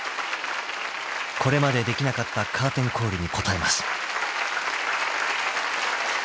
［これまでできなかったカーテンコールに応えます］